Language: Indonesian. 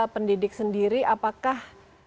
pendidik sendiri apakah